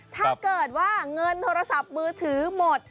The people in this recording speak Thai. ถ้าเกิดว่าเงินโทรศัพท์มือถือหมด